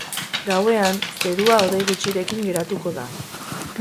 Gauean, zerua hodei gutxirekin geratuko da.